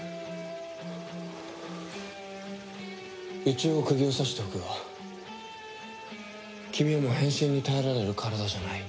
一応釘を刺しておくが君はもう変身に耐えられる体じゃない。